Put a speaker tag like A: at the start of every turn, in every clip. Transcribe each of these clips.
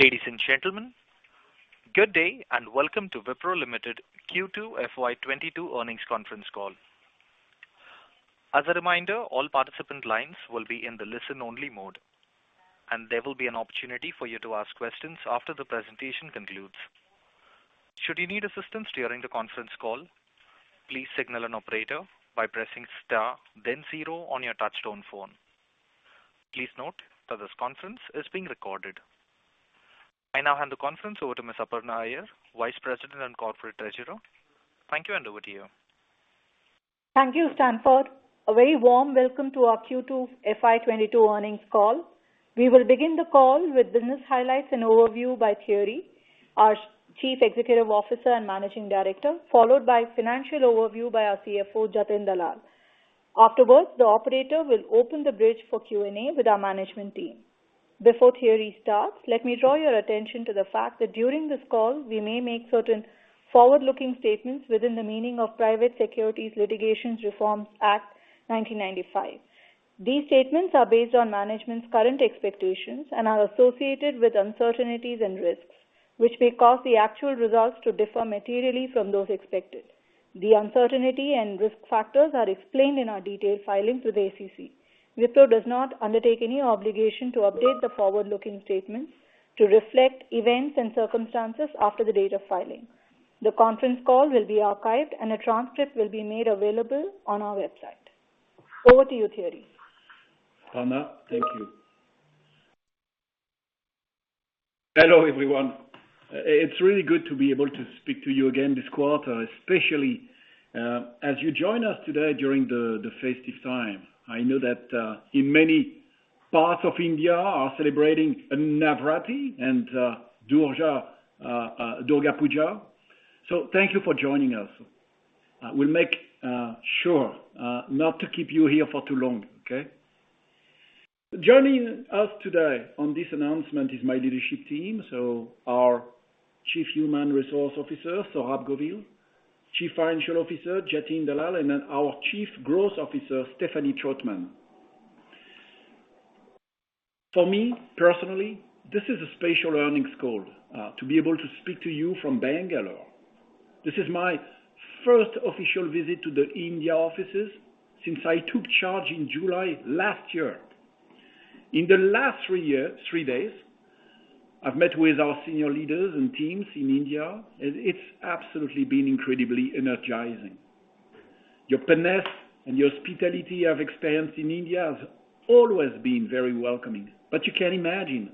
A: Ladies and gentlemen, good day and welcome to Wipro Limited Q2 FY 2022 earnings conference call. As a reminder, all participant lines will be in the listen only mode, and there will be an opportunity for you to ask questions after the presentation concludes. Should you need assistance during the conference call, please signal an operator by pressing star then zero on your touchtone phone. Please note that this conference is being recorded. I now hand the conference over to Ms. Aparna Iyer, Vice President and Corporate Treasurer. Thank you, and over to you.
B: Thank you, Stanford. A very warm welcome to our Q2 FY 2022 earnings call. We will begin the call with business highlights and overview by Thierry, our Chief Executive Officer and Managing Director, followed by financial overview by our CFO, Jatin Dalal. Afterwards, the operator will open the bridge for Q&A with our management team. Before Thierry starts, let me draw your attention to the fact that during this call, we may make certain forward-looking statements within the meaning of Private Securities Litigation Reform Act of 1995. These statements are based on management's current expectations and are associated with uncertainties and risks, which may cause the actual results to differ materially from those expected. The uncertainty and risk factors are explained in our detailed filings with SEC. Wipro does not undertake any obligation to update the forward-looking statements to reflect events and circumstances after the date of filing. The conference call will be archived, and a transcript will be made available on our website. Over to you, Thierry.
C: Aparna, thank you. Hello, everyone. It's really good to be able to speak to you again this quarter, especially, as you join us today during the festive time. I know that, in many parts of India are celebrating Navratri and Durga Puja. Thank you for joining us. We'll make sure not to keep you here for too long, okay? Joining us today on this announcement is my leadership team, so our Chief Human Resources Officer, Saurabh Govil, Chief Financial Officer, Jatin Dalal, and then our Chief Growth Officer, Stephanie Trautman. For me, personally, this is a special earnings call, to be able to speak to you from Bangalore. This is my first official visit to the India offices since I took charge in July last year. In the last three days, I've met with our senior leaders and teams in India, it's absolutely been incredibly energizing. Your panache and your hospitality I've experienced in India has always been very welcoming. You can imagine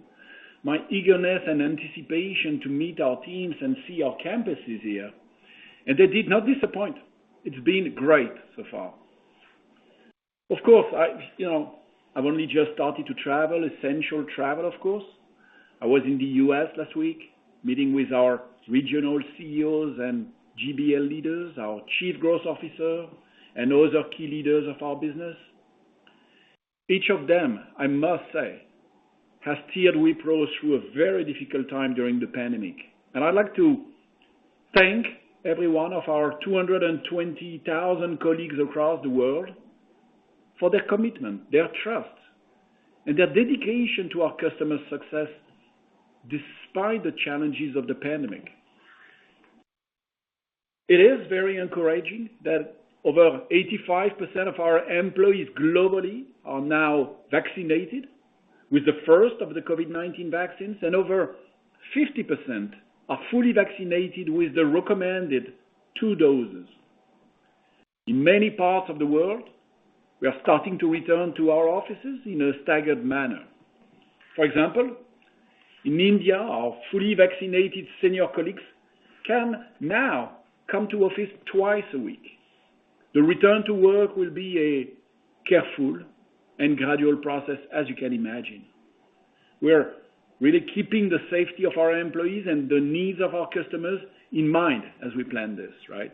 C: my eagerness and anticipation to meet our teams and see our campuses here, and they did not disappoint. It's been great so far. Of course, I've only just started to travel, essential travel, of course. I was in the U.S. last week meeting with our regional CEOs and GBL leaders, our Chief Growth Officer, and other key leaders of our business. Each of them, I must say, has steered Wipro through a very difficult time during the pandemic. I'd like to thank every one of our 220,000 colleagues across the world for their commitment, their trust, and their dedication to our customers' success despite the challenges of the pandemic. It is very encouraging that over 85% of our employees globally are now vaccinated with the first of the COVID-19 vaccines, and over 50% are fully vaccinated with the recommended two doses. In many parts of the world, we are starting to return to our offices in a staggered manner. For example, in India, our fully vaccinated senior colleagues can now come to office twice a week. The return to work will be a careful and gradual process, as you can imagine. We're really keeping the safety of our employees and the needs of our customers in mind as we plan this, right?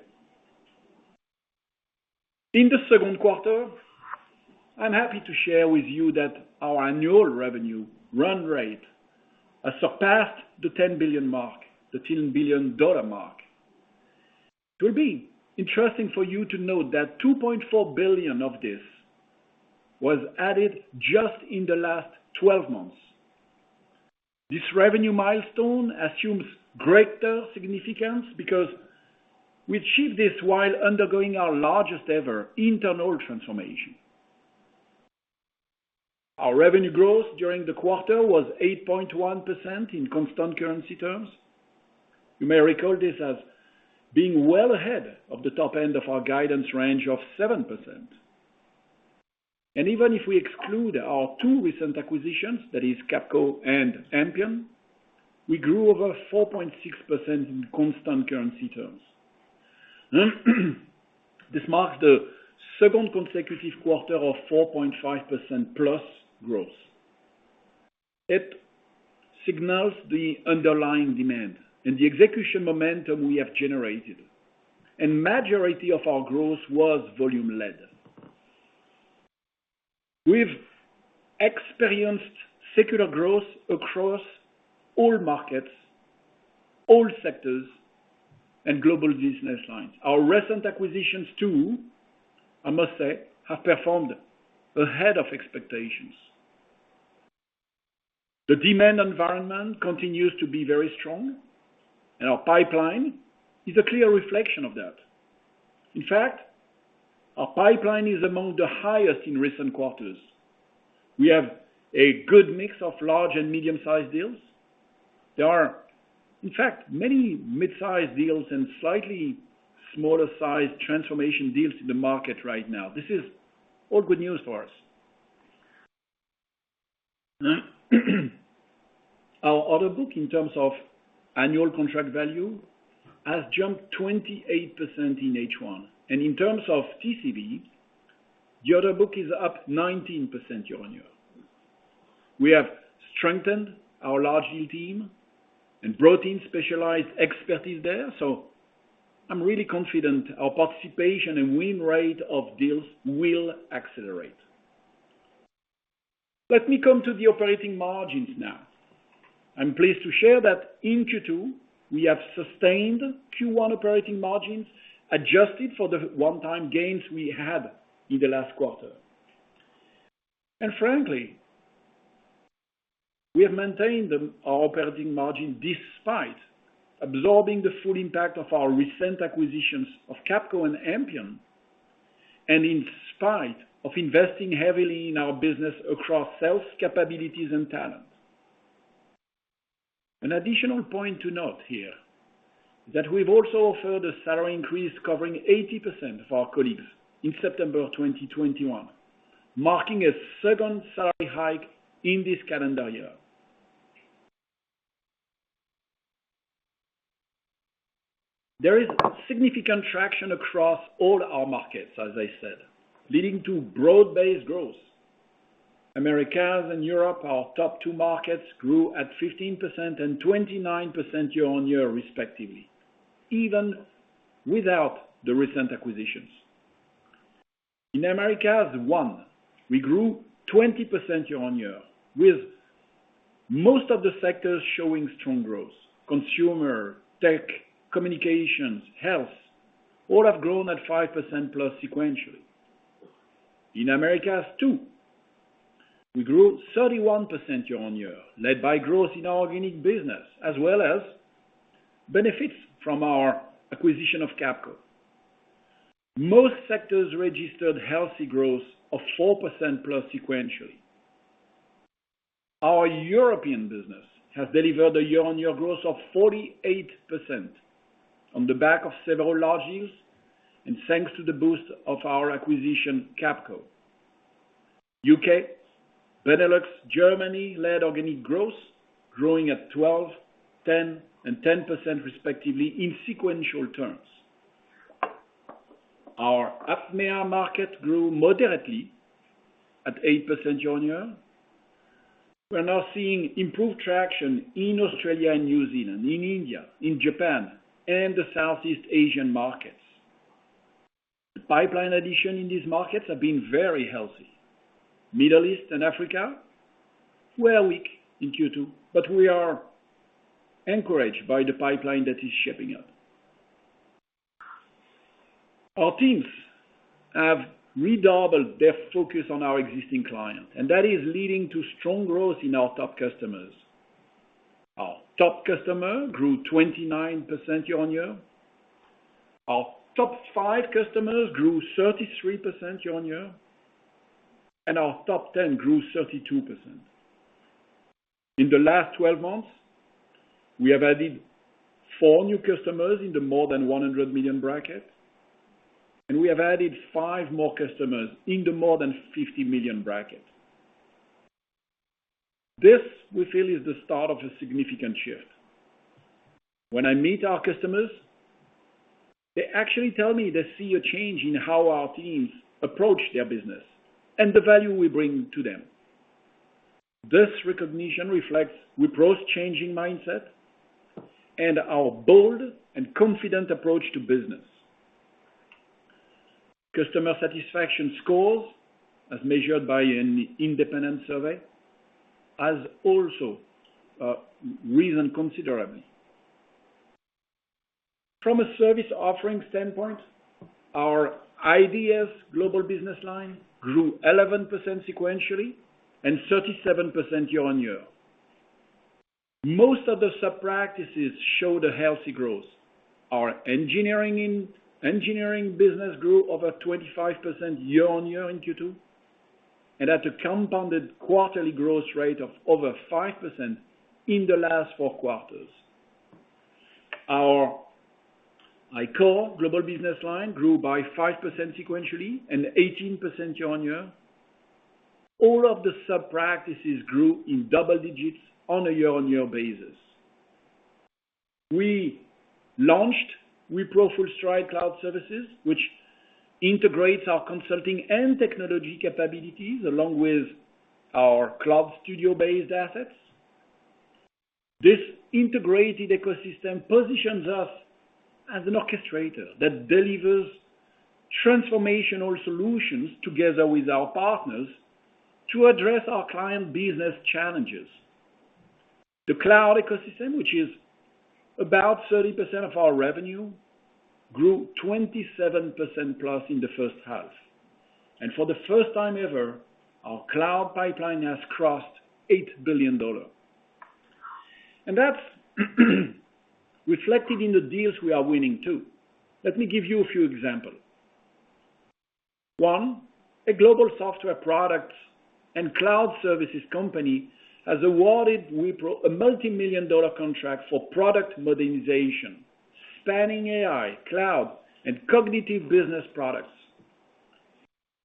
C: In the second quarter, I'm happy to share with you that our annual revenue run rate has surpassed the $10 billion mark, the $10 billion mark. It will be interesting for you to note that $2.4 billion of this was added just in the last 12 months. This revenue milestone assumes greater significance because we achieved this while undergoing our largest ever internal transformation. Our revenue growth during the quarter was 8.1% in constant currency terms. You may recall this as being well ahead of the top end of our guidance range of 7%. Even if we exclude our two recent acquisitions, that is Capco and Ampion, we grew over 4.6% in constant currency terms. This marks the second consecutive quarter of 4.5%+ growth. It signals the underlying demand and the execution momentum we have generated. Majority of our growth was volume-led. We've experienced secular growth across all markets, all sectors and global business lines. Our recent acquisitions too, I must say, have performed ahead of expectations. The demand environment continues to be very strong, and our pipeline is a clear reflection of that. In fact, our pipeline is among the highest in recent quarters. We have a good mix of large and medium-sized deals. There are, in fact, many mid-size deals and slightly smaller size transformation deals in the market right now. This is all good news for us. Our order book, in terms of annual contract value, has jumped 28% in H1. In terms of TCV, the order book is up 19% year-on-year. We have strengthened our large deal team and brought in specialized expertise there. I'm really confident our participation and win rate of deals will accelerate. Let me come to the operating margins now. I'm pleased to share that in Q2, we have sustained Q1 operating margins adjusted for the one-time gains we had in the last quarter. Frankly, we have maintained our operating margin despite absorbing the full impact of our recent acquisitions of Capco and Ampion, and in spite of investing heavily in our business across sales capabilities and talent. An additional point to note here is that we've also offered a salary increase covering 80% of our colleagues in September 2021, marking a second salary hike in this calendar year. There is significant traction across all our markets, as I said, leading to broad-based growth. Americas and Europe, our top two markets, grew at 15% and 29% year-on-year respectively, even without the recent acquisitions. In Americas, one, we grew 20% year-on-year, with most of the sectors showing strong growth. Consumer, tech, communications, health all have grown at 5% plus sequentially. In Americas, two, we grew 31% year-on-year, led by growth in our organic business, as well as benefits from our acquisition of Capco. Most sectors registered healthy growth of 4%+ sequentially. Our European business has delivered a year-on-year growth of 48% on the back of several large deals and thanks to the boost of our acquisition, Capco. U.K., Benelux, Germany led organic growth, growing at 12%, 10%, and 10% respectively in sequential terms. Our APMEA market grew moderately at 8% year-on-year. We are now seeing improved traction in Australia and New Zealand, in India, in Japan, and the Southeast Asian markets. The pipeline addition in these markets have been very healthy. Middle East and Africa were weak in Q2, we are encouraged by the pipeline that is shaping up. Our teams have redoubled their focus on our existing clients, that is leading to strong growth in our top customers. Our top customer grew 29% year-on-year. Our top five customers grew 33% year-on-year. Our top 10 grew 32%. In the last 12 months, we have added four new customers in the more than 100 million bracket, and we have added five more customers in the more than 50 million bracket. This, we feel, is the start of a significant shift. When I meet our customers, they actually tell me they see a change in how our teams approach their business and the value we bring to them. This recognition reflects Wipro's changing mindset and our bold and confident approach to business. Customer satisfaction scores, as measured by an independent survey, has also risen considerably. From a service offering standpoint, our iDEAS global business line grew 11% sequentially and 37% year-on-year. Most of the sub-practices show the healthy growth. Our engineering business grew over 25% year-on-year in Q2 and at a compounded quarterly growth rate of over 5% in the last four quarters. Our iCORE global business line grew by 5% sequentially and 18% year-on-year. All of the sub-practices grew in double digits on a year-on-year basis. We launched Wipro FullStride Cloud Services, which integrates our consulting and technology capabilities along with our Cloud Studio-based assets. This integrated ecosystem positions us as an orchestrator that delivers transformational solutions together with our partners to address our client business challenges. The cloud ecosystem, which is about 30% of our revenue, grew 27%+ in the first half. For the first time ever, our cloud pipeline has crossed $8 billion. That's reflected in the deals we are winning, too. Let me give you a few example. One, a global software product and cloud services company has awarded Wipro a multimillion-dollar contract for product modernization, spanning AI, cloud, and cognitive business products.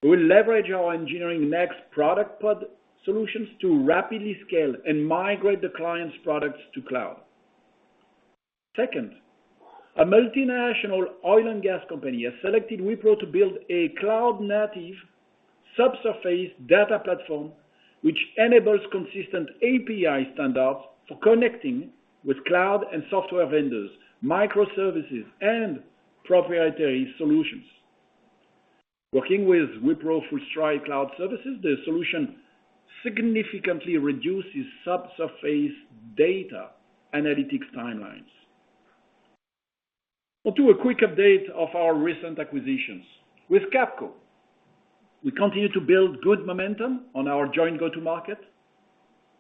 C: We'll leverage our EngineeringNXT product solutions to rapidly scale and migrate the client's products to cloud. Second, a multinational oil and gas company has selected Wipro to build a cloud native subsurface data platform, which enables consistent API standards for connecting with cloud and software vendors, microservices, and proprietary solutions. Working with Wipro FullStride Cloud Services, the solution significantly reduces subsurface data analytics timelines. Onto a quick update of our recent acquisitions. With Capco, we continue to build good momentum on our joint go-to market.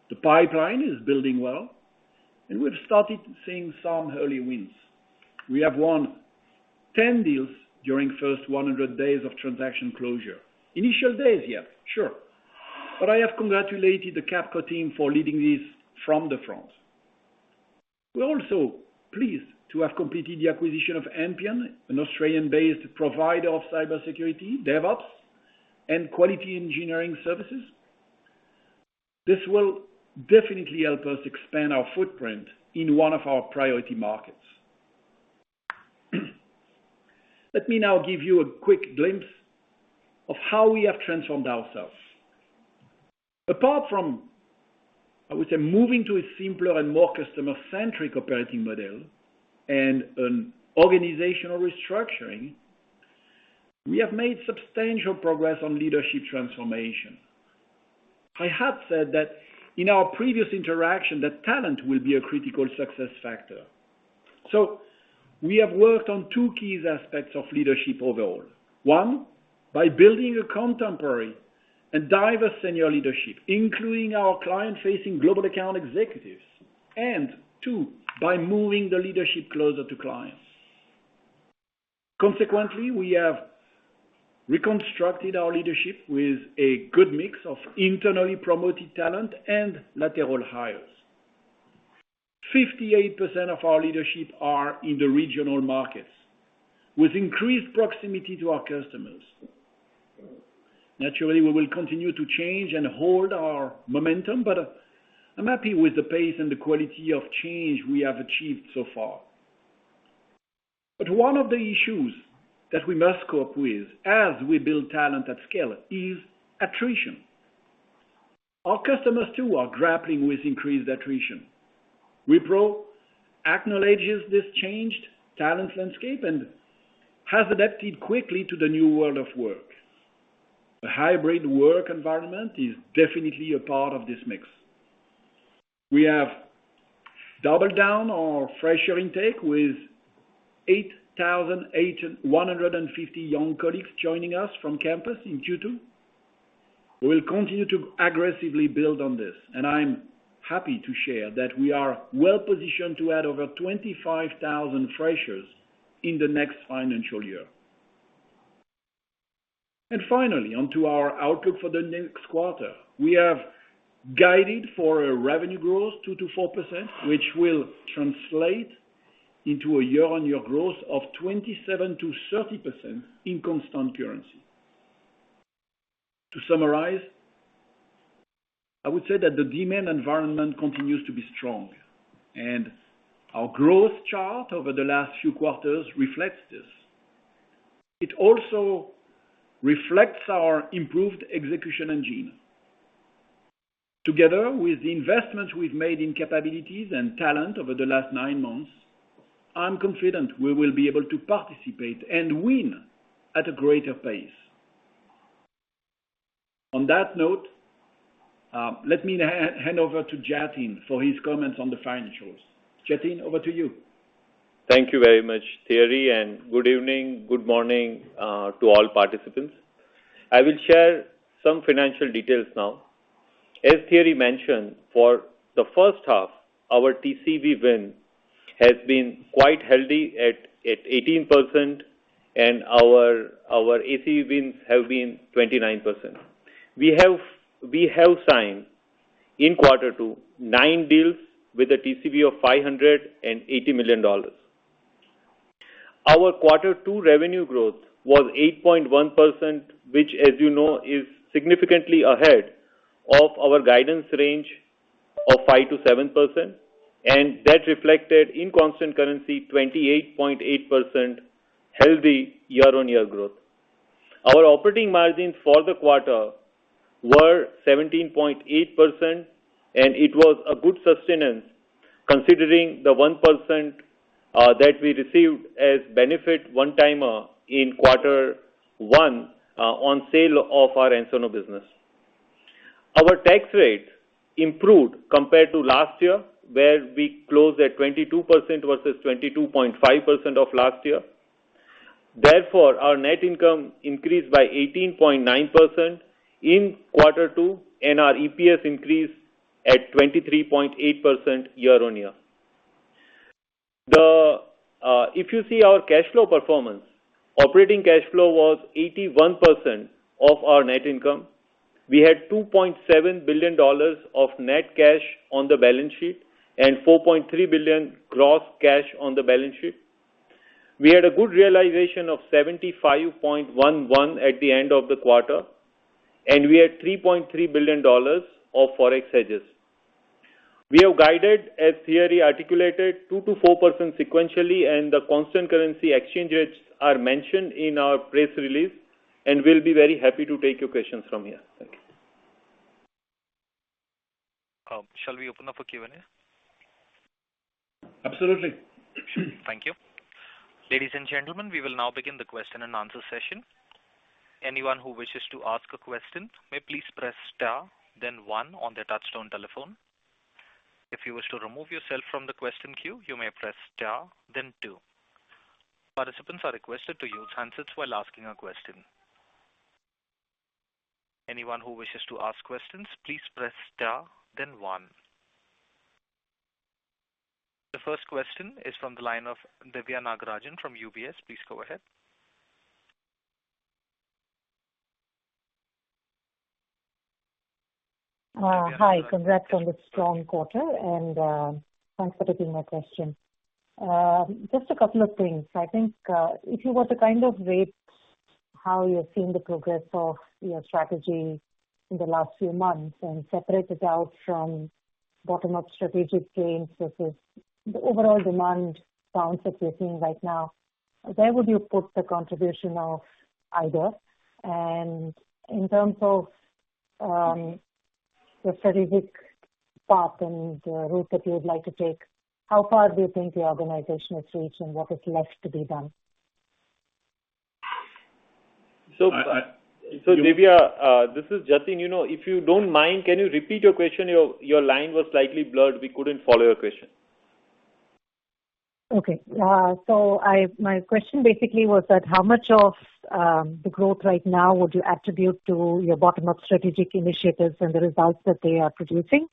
C: The pipeline is building well, and we've started seeing some early wins. We have won 10 deals during first 100 days of transaction closure. Initial days yet, sure. I have congratulated the Capco team for leading this from the front. We're also pleased to have completed the acquisition of Ampion, an Australian-based provider of cybersecurity, DevOps, and quality engineering services. This will definitely help us expand our footprint in one of our priority markets. Let me now give you a quick glimpse of how we have transformed ourselves. Apart from, I would say, moving to a simpler and more customer-centric operating model and an organizational restructuring, we have made substantial progress on leadership transformation. I had said that in our previous interaction, that talent will be a critical success factor. We have worked on two key aspects of leadership overall. One, by building a contemporary and diverse senior leadership, including our client-facing global account executives. Two, by moving the leadership closer to clients. Consequently, we have reconstructed our leadership with a good mix of internally promoted talent and lateral hires. 58% of our leadership are in the regional markets with increased proximity to our customers. Naturally, we will continue to change and hold our momentum, but I'm happy with the pace and the quality of change we have achieved so far. One of the issues that we must cope with as we build talent at scale is attrition. Our customers, too, are grappling with increased attrition. Wipro acknowledges this changed talent landscape and has adapted quickly to the new world of work. The hybrid work environment is definitely a part of this mix. We have doubled down our fresher intake with 8,150 young colleagues joining us from campus in Q2. We'll continue to aggressively build on this, and I'm happy to share that we are well-positioned to add over 25,000 freshers in the next financial year. Finally, onto our outlook for the next quarter. We have guided for a revenue growth 2%-4%, which will translate into a year-on-year growth of 27%-30% in constant currency. To summarize, I would say that the demand environment continues to be strong, and our growth chart over the last few quarters reflects this. It also reflects our improved execution engine. Together with the investments we've made in capabilities and talent over the last nine months, I'm confident we will be able to participate and win at a greater pace. On that note, let me hand over to Jatin for his comments on the financials. Jatin, over to you.
D: Thank you very much, Thierry. Good evening, good morning, to all participants. I will share some financial details now. As Thierry mentioned, for the first half, our TCV win has been quite healthy at 18% and our ACV wins have been 29%. We have signed in quarter two nine deals with a TCV of $580 million. Our quarter two revenue growth was 8.1%, which as you know is significantly ahead of our guidance range of 5%-7%, and that reflected in constant currency 28.8% healthy year-on-year growth. Our operating margin for the quarter were 17.8%, and it was a good sustenance considering the 1% that we received as benefit one-timer in Quarter one on sale of our Ensono business. Our tax rate improved compared to last year where we closed at 22% versus 22.5% of last year. Therefore, our net income increased by 18.9% in Q2, and our EPS increased at 23.8% year-on-year. If you see our cash flow performance, operating cash flow was 81% of our net income. We had $2.7 billion of net cash on the balance sheet and $4.3 billion gross cash on the balance sheet. We had a good realization of 75.11 at the end of the quarter, and we had $3.3 billion of Forex hedges. We have guided, as Thierry articulated, 2%-4% sequentially, and the constant currency exchange rates are mentioned in our press release, and we'll be very happy to take your questions from here. Thank you.
A: Shall we open up for Q&A?
D: Absolutely.
A: Thank you. Ladies and gentlemen, we will now begin the question and answer session. Anyone who wishes to ask a question may please press star then one on their touchtone telephone. If you wish to remove yourself from the question queue, you may press star then two. Participants are requested to use handsets while asking a question. Anyone who wishes to ask questions, please press star then one. The first question is from the line of Diviya Nagarajan from UBS. Please go ahead.
E: Hi. Congrats on the strong quarter, thanks for taking my question. Just a couple of things. I think, if you were to kind of rate how you're seeing the progress of your strategy in the last few months and separate it out from bottom-up strategic gains versus the overall demand bounce that you're seeing right now, where would you put the contribution of iDEAS? In terms of the strategic path and the route that you would like to take, how far do you think the organization has reached and what is left to be done?
D: Divya, this is Jatin. If you don't mind, can you repeat your question? Your line was slightly blurred. We couldn't follow your question.
E: Okay. My question basically was that how much of the growth right now would you attribute to your bottom-up strategic initiatives and the results that they are producing?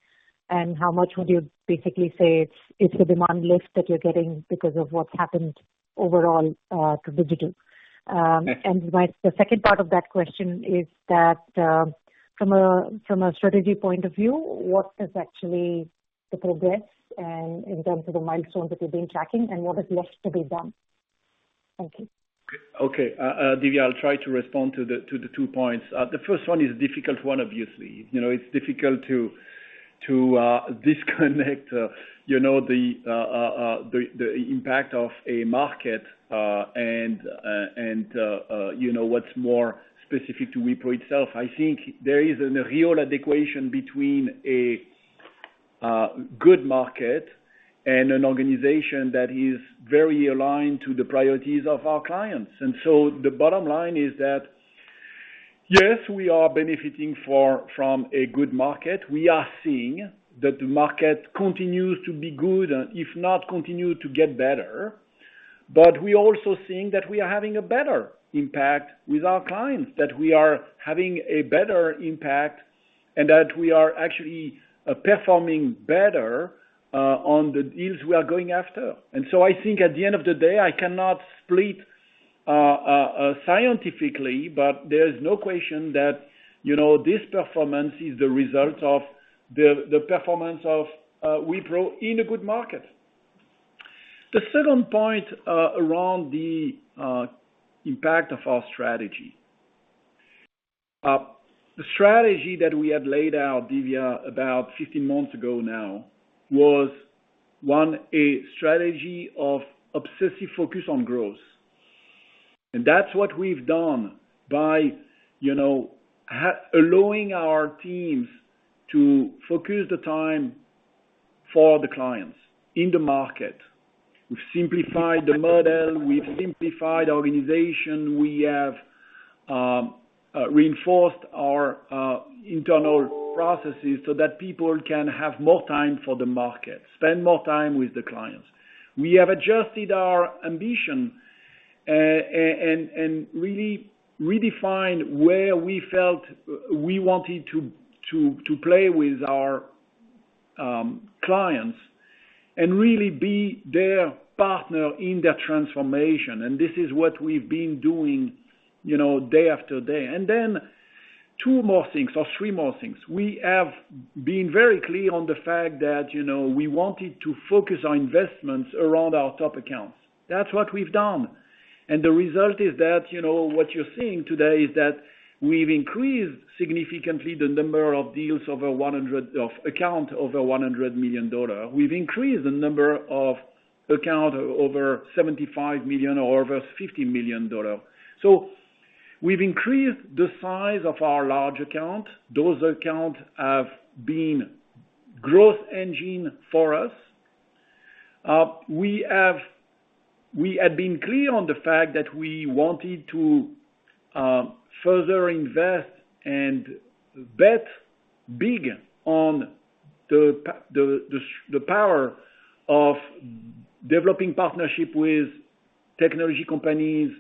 E: How much would you basically say is the demand lift that you're getting because of what's happened overall to digital? The second part of that question is that, from a strategy point of view, what is actually the progress and in terms of the milestones that you've been tracking and what is left to be done? Thank you.
C: Okay. Divya, I'll try to respond to the two points. The first one is a difficult one, obviously. It's difficult to disconnect the impact of a market and what's more specific to Wipro itself. I think there is a real equation between a good market and an organization that is very aligned to the priorities of our clients. The bottom line is that, yes, we are benefiting from a good market. We are seeing that the market continues to be good, and if not continue to get better. We're also seeing that we are having a better impact with our clients, and that we are actually performing better on the deals we are going after. I think at the end of the day, I cannot split scientifically, but there's no question that this performance is the result of the performance of Wipro in a good market. The second point around the impact of our strategy. The strategy that we had laid out, Divya, about 15 months ago now was, one, a strategy of obsessive focus on growth. That's what we've done by allowing our teams to focus the time for the clients in the market. We've simplified the model. We've simplified our organization. We have reinforced our internal processes so that people can have more time for the market, spend more time with the clients. We have adjusted our ambition and really redefined where we felt we wanted to play with our clients and really be their partner in their transformation. This is what we've been doing day after day. Then two more things or three more things. We have been very clear on the fact that we wanted to focus our investments around our top accounts. That's what we've done. The result is that what you're seeing today is that we've increased significantly the number of account over INR 100 million. We've increased the number of account over 75 million or over INR 50 million. We've increased the size of our large account. Those accounts have been growth engine for us. We had been clear on the fact that we wanted to further invest and bet big on the power of developing partnership with technology companies,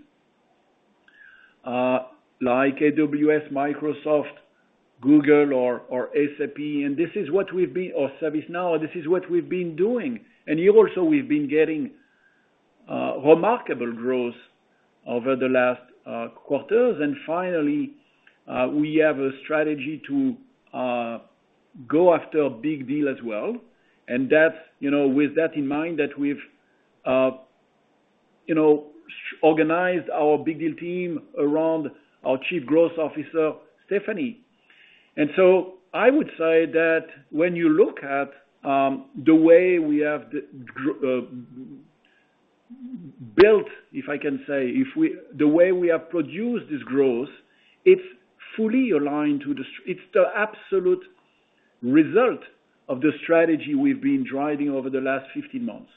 C: like AWS, Microsoft, Google or SAP or ServiceNow. This is what we've been doing. Also, we've been getting remarkable growth over the last quarters. Finally, we have a strategy to go after a big deal as well. With that in mind, that we've organized our big deal team around our Chief Growth Officer, Stephanie. I would say that when you look at the way we have built, if I can say, the way we have produced this growth, it's the absolute result of the strategy we've been driving over the last 15 months.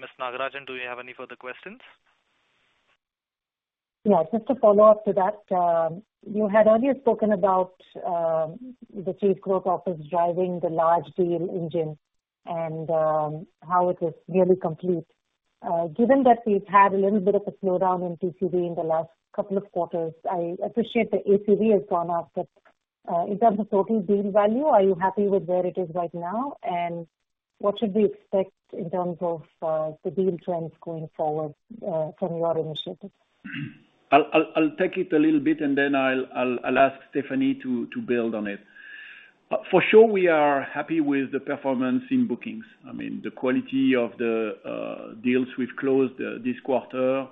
A: Ms. Nagarajan, do you have any further questions?
E: Yeah. Just to follow up to that. You had earlier spoken about the Chief Growth Office driving the large deal engine and how it is nearly complete. Given that we've had a little bit of a slowdown in TCV in the last couple of quarters, I appreciate the ACV has gone up. In terms of total deal value, are you happy with where it is right now? What should we expect in terms of the deal trends going forward from your initiatives?
C: I'll take it a little bit and then I'll ask Stephanie to build on it. For sure we are happy with the performance in bookings. I mean, the quality of the deals we've closed this quarter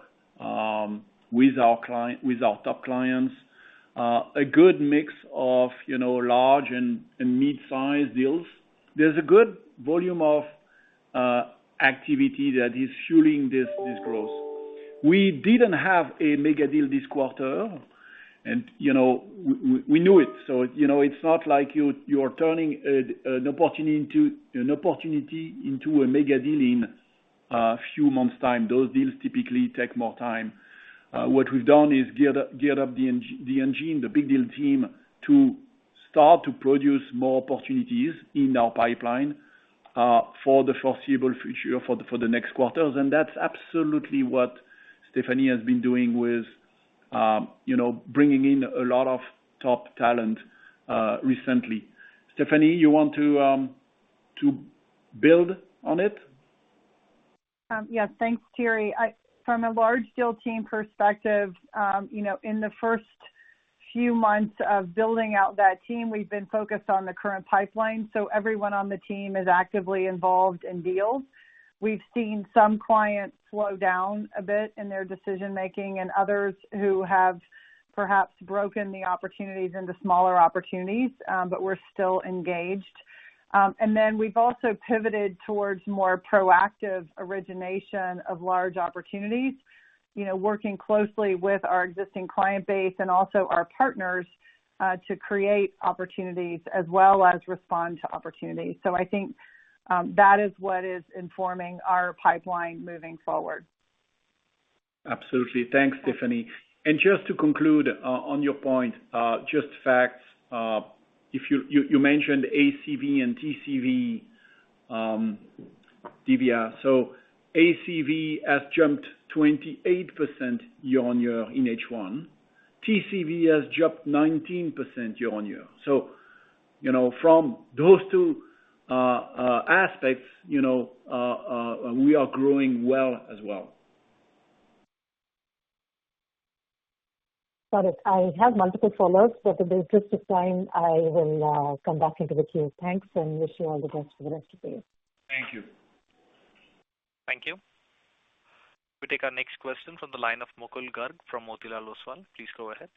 C: with our top clients, a good mix of large and mid-size deals. There's a good volume of activity that is fueling this growth. We didn't have a mega deal this quarter, and we knew it. It's not like you're turning an opportunity into a mega deal in a few months' time. Those deals typically take more time. What we've done is geared up the engine, the big deal team to start to produce more opportunities in our pipeline for the foreseeable future, for the next quarters. That's absolutely what Stephanie has been doing with bringing in a lot of top talent recently. Stephanie, you want to build on it?
F: Yes. Thanks, Thierry. From a large deal team perspective, in the first few months of building out that team, we've been focused on the current pipeline, so everyone on the team is actively involved in deals. We've seen some clients slow down a bit in their decision-making, and others who have perhaps broken the opportunities into smaller opportunities, but we're still engaged. We've also pivoted towards more proactive origination of large opportunities. Working closely with our existing client base and also our partners, to create opportunities as well as respond to opportunities. I think that is what is informing our pipeline moving forward.
C: Absolutely. Thanks, Stephanie. Just to conclude on your point, just facts. You mentioned ACV and TCV, Divya. ACV has jumped 28% year-on-year in H1. TCV has jumped 19% year-on-year. From those two aspects, we are growing well as well.
E: Got it. I have multiple follow-ups, but there's just the time I will come back into the queue. Thanks. Wish you all the best for the rest of the day.
C: Thank you.
A: Thank you. We take our next question from the line of Mukul Garg from Motilal Oswal. Please go ahead.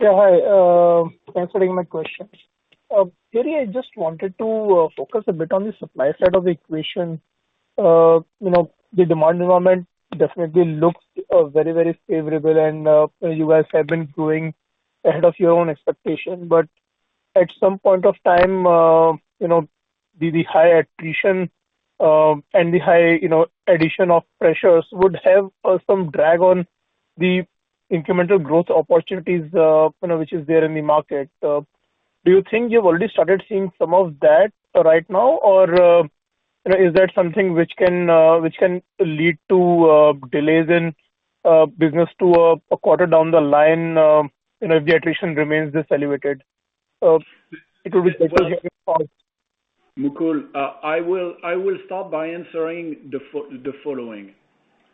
G: Yeah. Hi. Thanks for taking my questions. Thierry, I just wanted to focus a bit on the supply side of the equation. The demand environment definitely looks very, very favorable and you guys have been growing ahead of your own expectation. At some point of time, the high attrition, and the high addition of pressures would have some drag on the incremental growth opportunities which is there in the market. Do you think you've already started seeing some of that right now or is that something which can lead to delays in business to a quarter down the line if the attrition remains this elevated? It will be great to have your thoughts.
C: Mukul, I will start by answering the following.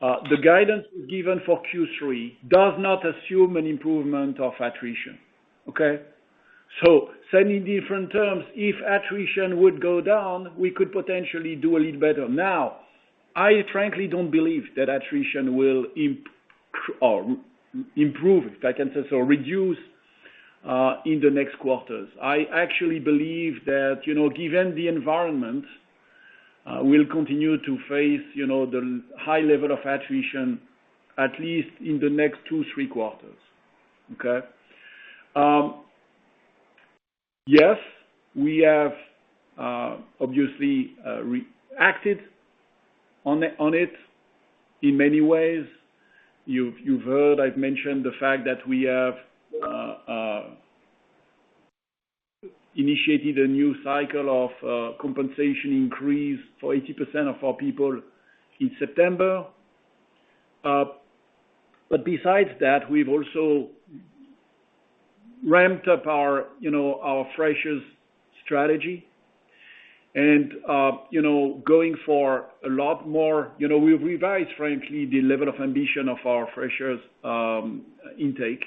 C: The guidance given for Q3 does not assume an improvement of attrition. Okay. Said in different terms, if attrition would go down, we could potentially do a little better. Now, I frankly don't believe that attrition will improve, if I can say, so reduce in the next quarters. I actually believe that, given the environment, we'll continue to face the high level of attrition, at least in the next two, three quarters. Okay. Yes, we have obviously reacted on it in many ways. You've heard, I've mentioned the fact that we have initiated a new cycle of compensation increase for 80% of our people in September. Besides that, we've also ramped up our freshers strategy and going for a lot more. We revised, frankly, the level of ambition of our freshers intake.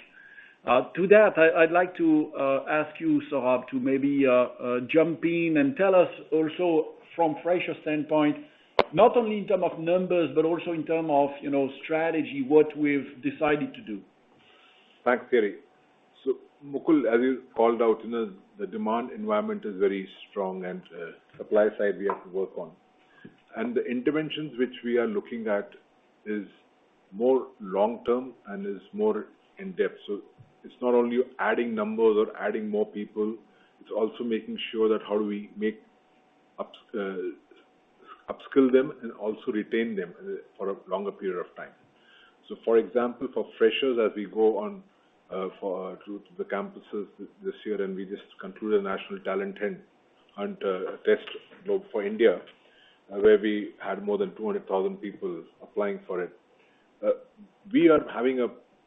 C: To that, I'd like to ask you, Saurabh, to maybe jump in and tell us also from fresher standpoint, not only in term of numbers, but also in term of strategy, what we've decided to do.
H: Thanks, Thierry. Mukul, as you called out, the demand environment is very strong and supply side we have to work on. The interventions which we are looking at is more long-term and is more in-depth. It's not only adding numbers or adding more people, it's also making sure that how do we upskill them and also retain them for a longer period of time. For example, for freshers, as we go on through the campuses this year, and we just concluded a national talent hunt test for India, where we had more than 200,000 people applying for it. We are having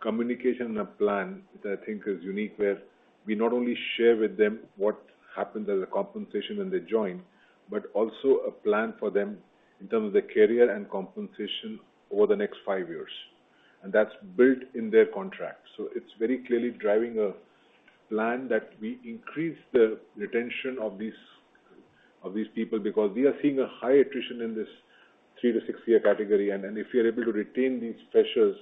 H: a communication and a plan that I think is unique, where we not only share with them what happens as a compensation when they join, but also a plan for them in terms of the career and compensation over the next five years. That's built in their contract. It's very clearly driving a plan that we increase the retention of these people because we are seeing a high attrition in this 3 year-6 year category. If we are able to retain these freshers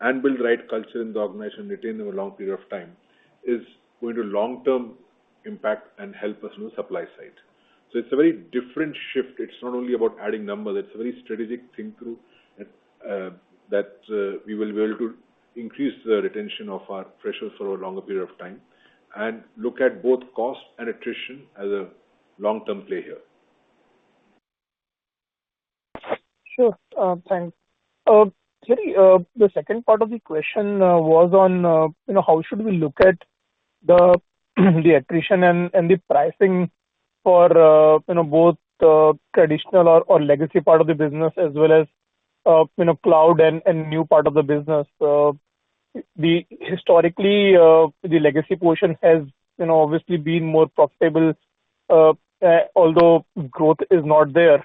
H: and build right culture in the organization, retain them a long period of time, is going to long-term impact and help us in the supply side. It's a very different shift. It's not only about adding numbers. It's a very strategic think-through that we will be able to increase the retention of our freshers for a longer period of time and look at both cost and attrition as a long-term play here.
G: Sure. Thanks. Thierry, the second part of the question was on how should we look at the attrition and the pricing for both the traditional or legacy part of the business, as well as cloud and new part of the business. Historically, the legacy portion has obviously been more profitable, although growth is not there.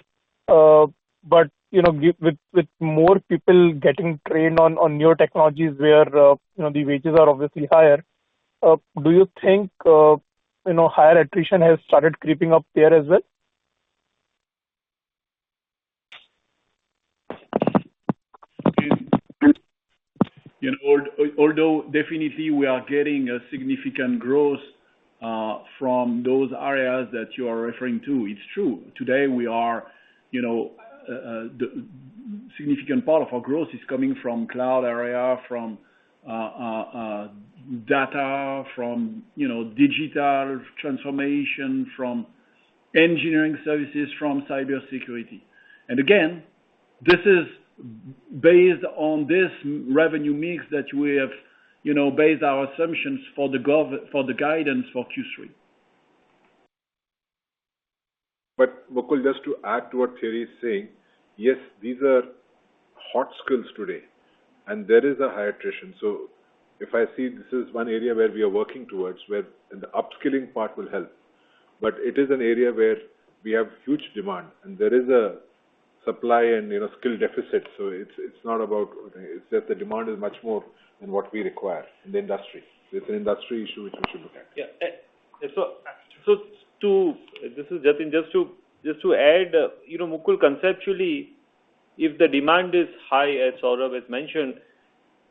G: With more people getting trained on newer technologies where the wages are obviously higher, do you think higher attrition has started creeping up there as well?
C: Although definitely we are getting a significant growth from those areas that you are referring to. It's true. Today, a significant part of our growth is coming from cloud area, from data, from digital transformation, from engineering services, from cybersecurity. Again, this is based on this revenue mix that we have based our assumptions for the guidance for Q3.
H: Mukul, just to add to what Thierry is saying. Yes, these are hot skills today, and there is a high attrition. If I see this is one area where we are working towards, where the upskilling part will help. It is an area where we have huge demand and there is a supply and skill deficit. It's not about It's just the demand is much more than what we require in the industry. It's an industry issue which we should look at.
D: Yeah. This is Jatin. Just to add, Mukul, conceptually, if the demand is high, as Saurabh has mentioned,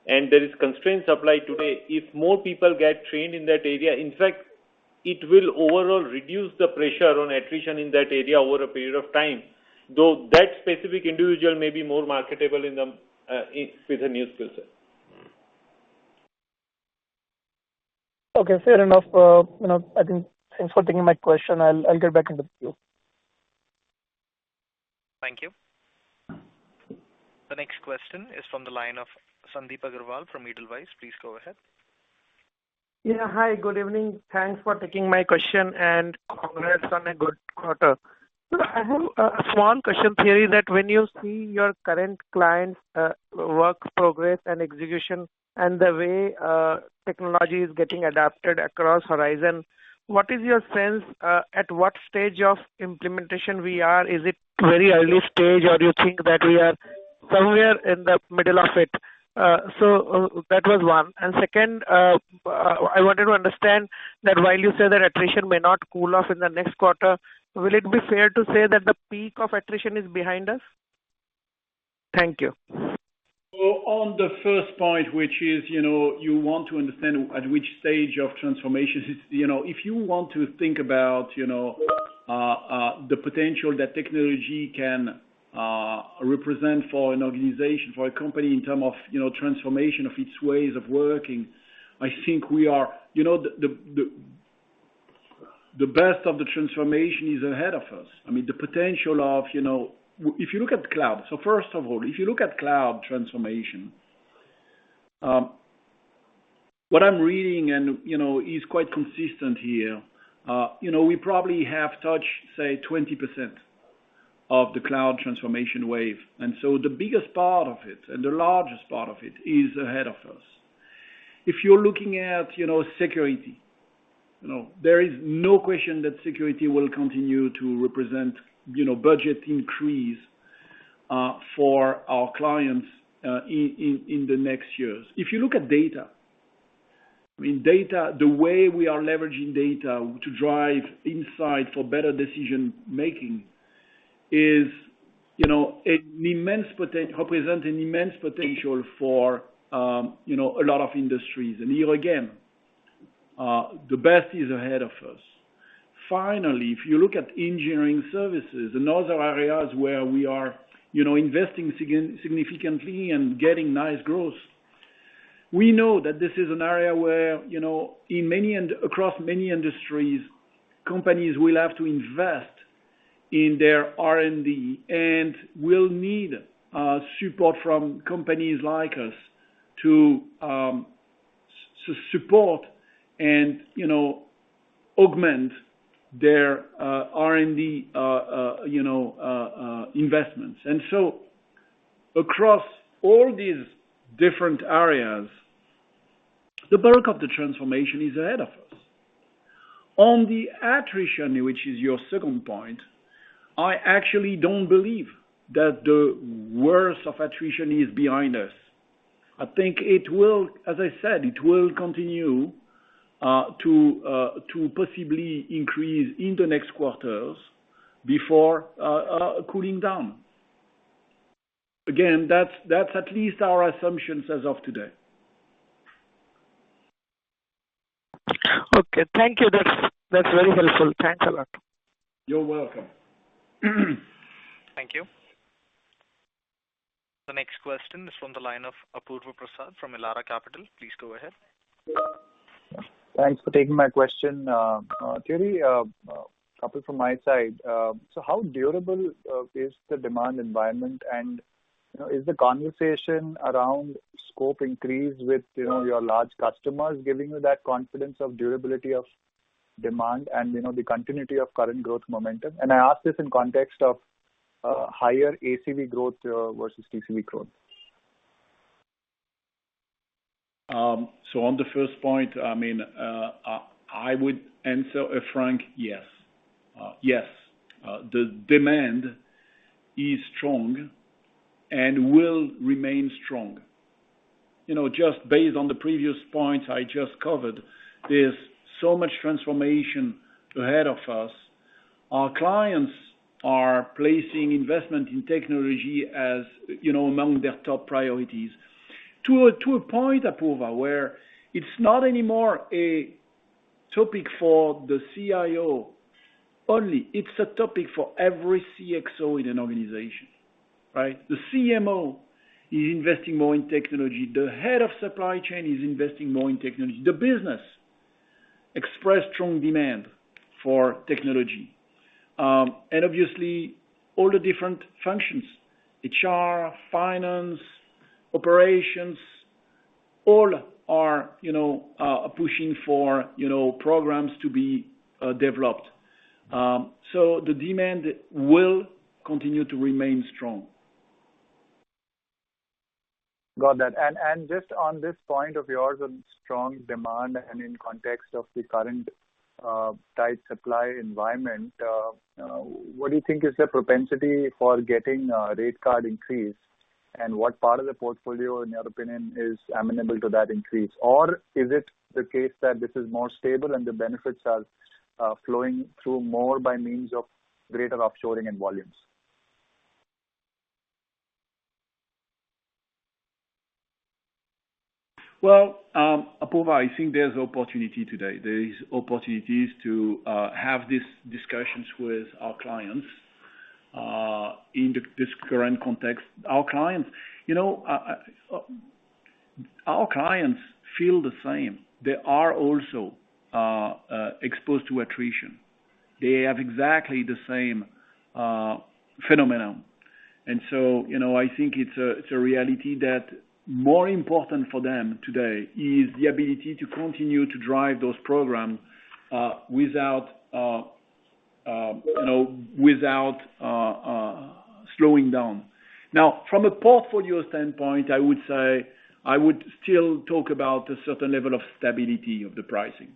D: and there is constrained supply today, if more people get trained in that area, in fact, it will overall reduce the pressure on attrition in that area over a period of time. Though that specific individual may be more marketable with a new skill set.
G: Okay. Fair enough. I think thanks for taking my question. I'll get back into the queue.
A: Thank you. The next question is from the line of Sandip Agarwal from Edelweiss. Please go ahead.
I: Yeah. Hi, good evening. Thanks for taking my question and congrats on a good quarter. I have a small question, Thierry, that when you see your current clients work progress and execution and the way technology is getting adapted across horizon, what is your sense at what stage of implementation we are? Is it very early stage or you think that we are somewhere in the middle of it? That was one. Second, I wanted to understand that while you say that attrition may not cool off in the next quarter, will it be fair to say that the peak of attrition is behind us? Thank you.
C: On the first point, which is you want to understand at which stage of transformation, if you want to think about the potential that technology can represent for an organization, for a company in terms of transformation of its ways of working. I think the best of the transformation is ahead of us. If you look at cloud. First of all, if you look at cloud transformation, what I’m reading and is quite consistent here. We probably have touched, say, 20% of the cloud transformation wave. The biggest part of it, and the largest part of it, is ahead of us. If you’re looking at security, there is no question that security will continue to represent budget increase for our clients in the next years. If you look at data. The way we are leveraging data to drive insight for better decision-making represent an immense potential for a lot of industries. Here again, the best is ahead of us. Finally, if you look at engineering services and other areas where we are investing significantly and getting nice growth, we know that this is an area where across many industries, companies will have to invest in their R&D and will need support from companies like us to support and augment their R&D investments. Across all these different areas, the bulk of the transformation is ahead of us. On the attrition, which is your second point, I actually don't believe that the worst of attrition is behind us. I think as I said, it will continue to possibly increase in the next quarters before cooling down. Again, that's at least our assumptions as of today.
I: Okay. Thank you. That's very helpful. Thanks a lot.
C: You're welcome.
A: Thank you. The next question is from the line of Apurva Prasad from Elara Capital. Please go ahead.
J: Thanks for taking my question. Thierry, a couple from my side. How durable is the demand environment, and is the conversation around scope increase with your large customers giving you that confidence of durability of demand and the continuity of current growth momentum? I ask this in context of higher ACV growth versus TCV growth.
C: On the first point, I would answer a frank yes. Yes. The demand is strong and will remain strong. Just based on the previous points I just covered, there's so much transformation ahead of us. Our clients are placing investment in technology as among their top priorities. To a point, Apurva, where it's not anymore a topic for the CIO only, it's a topic for every CXO in an organization. Right? The CMO is investing more in technology. The head of supply chain is investing more in technology. The business express strong demand for technology. Obviously all the different functions, HR, finance, operations, all are pushing for programs to be developed. The demand will continue to remain strong.
J: Got that. Just on this point of yours on strong demand and in context of the current tight supply environment, what do you think is the propensity for getting a rate card increase? What part of the portfolio, in your opinion, is amenable to that increase? Is it the case that this is more stable and the benefits are flowing through more by means of greater offshoring and volumes?
C: Well, Apoorva, I think there's opportunity today. There is opportunities to have these discussions with our clients in this current context. Our clients feel the same. They are also exposed to attrition. They have exactly the same phenomenon. I think it's a reality that more important for them today is the ability to continue to drive those programs without slowing down. Now, from a portfolio standpoint, I would still talk about a certain level of stability of the pricing.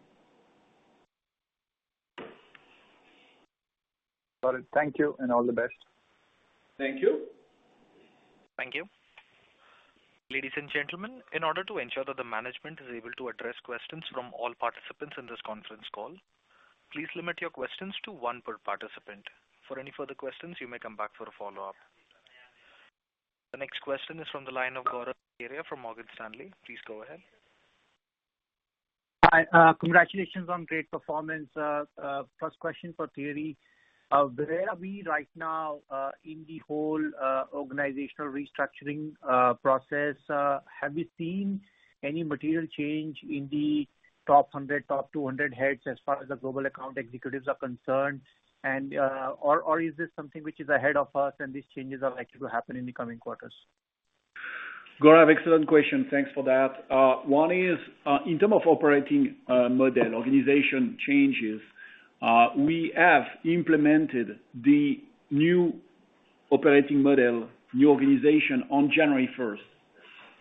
J: Got it. Thank you, and all the best.
C: Thank you.
A: Thank you. Ladies and gentlemen, in order to ensure that the management is able to address questions from all participants in this conference call, please limit your questions to one per participant. For any further questions, you may come back for a follow-up. The next question is from the line of Gaurav Rateria from Morgan Stanley. Please go ahead.
K: Hi. Congratulations on great performance. First question for Thierry. Where are we right now in the whole organizational restructuring process? Have you seen any material change in the top 100, top 200 heads as far as the global account executives are concerned? Is this something which is ahead of us and these changes are likely to happen in the coming quarters?
C: Gaurav, excellent question. Thanks for that. One is, in term of operating model organization changes, we have implemented the new operating model, new organization on January 1st.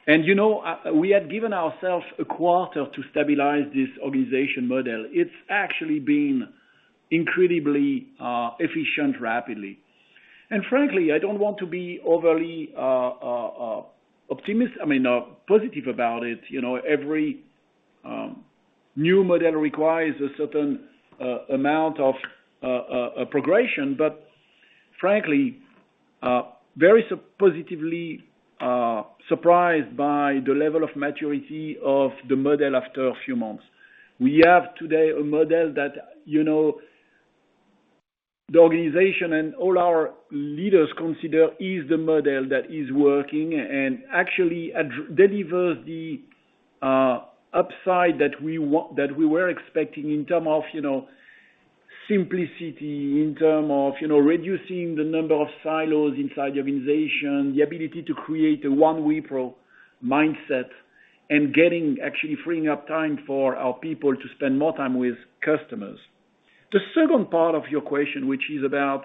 C: We had given ourselves a quarter to stabilize this organization model. It's actually been incredibly efficient rapidly. Frankly, I don't want to be overly positive about it. Every new model requires a certain amount of progression, but frankly, very positively surprised by the level of maturity of the model after a few months. We have today a model that the organization and all our leaders consider is the model that is working and actually delivers the upside that we were expecting in term of simplicity, in term of reducing the number of silos inside the organization, the ability to create a One Wipro mindset, and actually freeing up time for our people to spend more time with customers. The second part of your question, which is about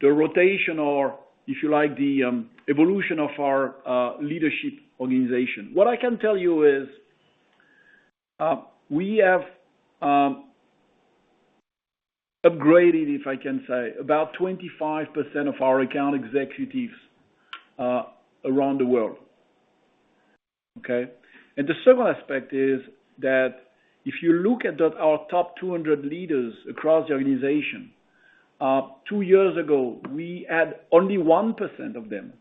C: the rotation or, if you like, the evolution of our leadership organization. What I can tell you is we have upgraded, if I can say, about 25% of our account executives around the world. Okay? The second aspect is that if you look at our top 200 leaders across the organization, two years ago, we had only 1% of them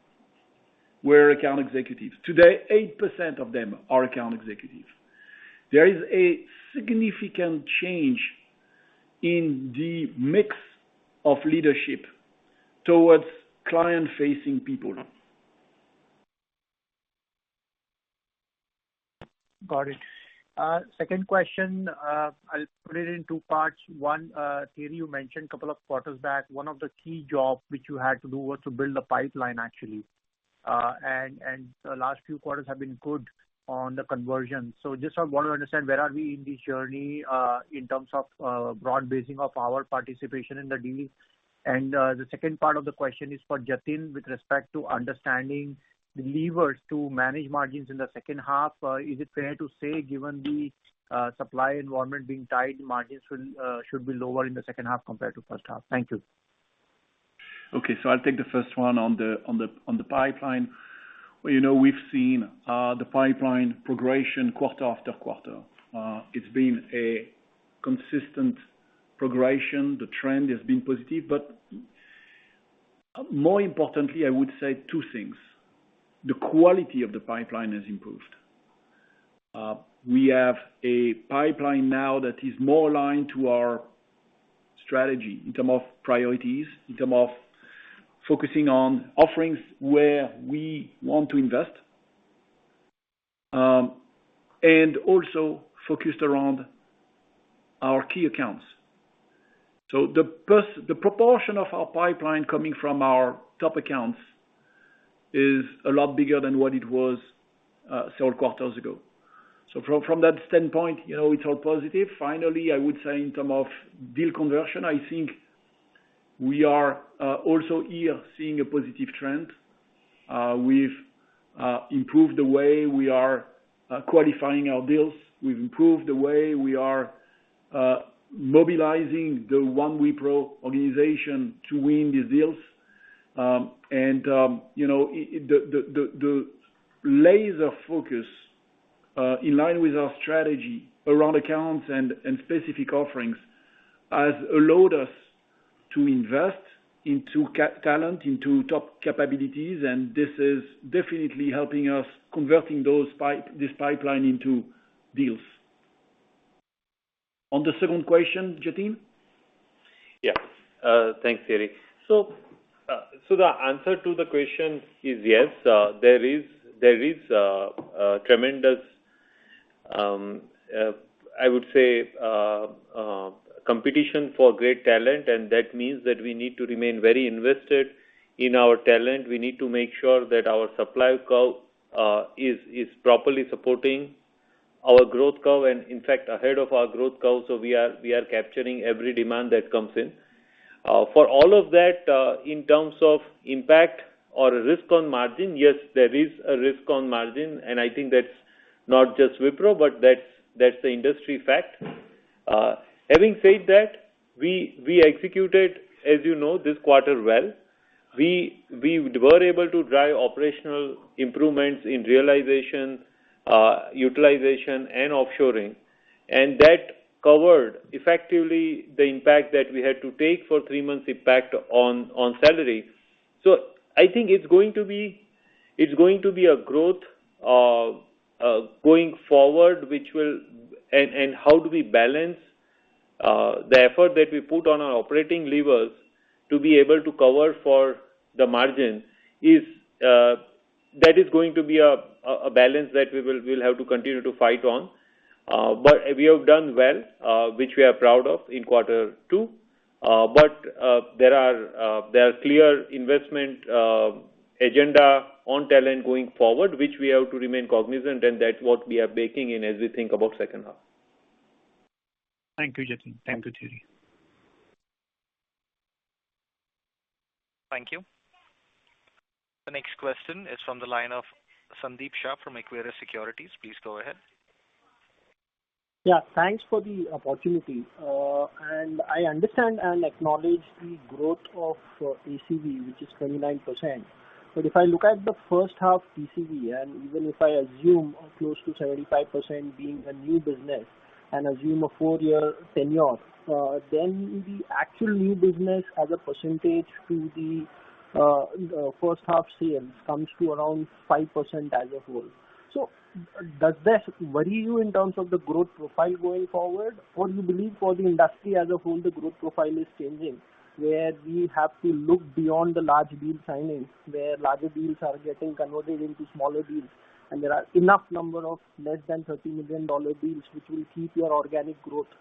C: were account executives. Today, 8% of them are account executives. There is a significant change in the mix of leadership towards client-facing people.
K: Got it. Second question. I'll put it in two parts. One, Thierry, you mentioned couple of quarters back, one of the key jobs which you had to do was to build a pipeline, actually. The last few quarters have been good on the conversion. Just I want to understand where are we in this journey, in terms of broad basing of our participation in the dealing. The second part of the question is for Jatin, with respect to understanding the levers to manage margins in the second half. Is it fair to say, given the supply environment being tight, margins should be lower in the second half compared to first half? Thank you.
C: Okay. I'll take the first one on the pipeline. We've seen the pipeline progression quarter after quarter. It's been a consistent progression. The trend has been positive, but more importantly, I would say two things. The quality of the pipeline has improved. We have a pipeline now that is more aligned to our strategy in term of priorities, in term of focusing on offerings where we want to invest. Also focused around our key accounts. The proportion of our pipeline coming from our top accounts is a lot bigger than what it was several quarters ago. From that standpoint, it's all positive. Finally, I would say in term of deal conversion, I think we are also here seeing a positive trend. We've improved the way we are qualifying our deals. We've improved the way we are mobilizing the One Wipro organization to win these deals. The laser focus in line with our strategy around accounts and specific offerings has allowed us to invest into talent, into top capabilities, and this is definitely helping us converting this pipeline into deals. On the second question, Jatin?
D: Yeah. Thanks, Thierry. The answer to the question is yes. There is tremendous, I would say, competition for great talent, and that means that we need to remain very invested in our talent. We need to make sure that our supply curve is properly supporting our growth curve and, in fact, ahead of our growth curve. We are capturing every demand that comes in. For all of that, in terms of impact or risk on margin, yes, there is a risk on margin, and I think that's not just Wipro, but that's the industry fact. Having said that, we executed, as you know, this quarter well. We were able to drive operational improvements in realization, utilization, and offshoring. That covered effectively the impact that we had to take for three months' impact on salary. I think it's going to be a growth going forward. How do we balance the effort that we put on our operating levers to be able to cover for the margin, that is going to be a balance that we'll have to continue to fight on. We have done well, which we are proud of in quarter two. There are clear investment agenda on talent going forward, which we have to remain cognizant, and that's what we are baking in as we think about second half.
K: Thank you, Jatin. Thank you, Thierry.
A: Thank you. The next question is from the line of Sandeep Shah from Equirus Securities. Please go ahead.
L: Thanks for the opportunity. I understand and acknowledge the growth of ACV, which is 29%. If I look at the first half ACV, and even if I assume close to 75% being a new business, and assume a four-year tenure, then the actual new business as a percentage to the first half CM comes to around 5% as a whole. Does that worry you in terms of the growth profile going forward? Do you believe for the industry as a whole, the growth profile is changing, where we have to look beyond the large deal signings, where larger deals are getting converted into smaller deals, and there are enough number of less than INR 30 million deals which will keep your organic growth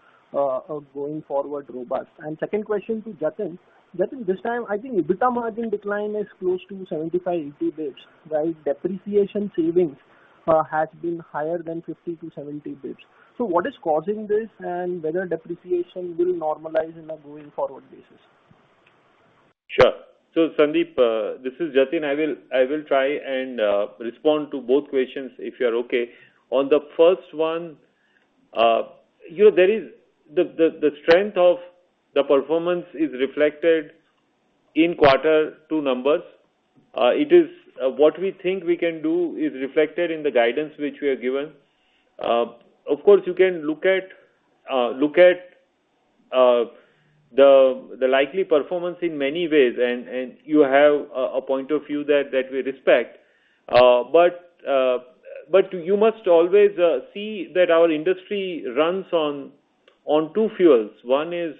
L: going forward robust? Second question to Jatin. Jatin, this time, I think EBITDA margin decline is close to 75 basis points, 80 basis points, while depreciation savings has been higher than 50 basis points-70 basis points. What is causing this, and whether depreciation will normalize in a going forward basis?
D: Sure. Sandeep, this is Jatin. I will try and respond to both questions if you're okay. On the first one, the strength of the performance is reflected in quarter two numbers. What we think we can do is reflected in the guidance which we have given. Of course, you can look at the likely performance in many ways, and you have a point of view that we respect. You must always see that our industry runs on two fuels. One is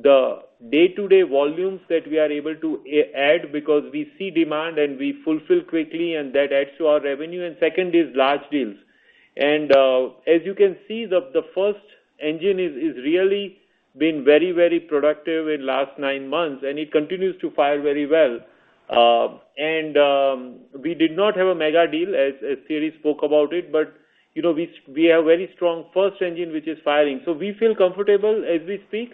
D: the day-to-day volumes that we are able to add because we see demand and we fulfill quickly, and that adds to our revenue. Second is large deals. As you can see, the first engine is really been very, very productive in last nine months, and it continues to fire very well. We did not have a mega deal as Thierry spoke about it, but we have very strong first engine which is firing. We feel comfortable as we speak.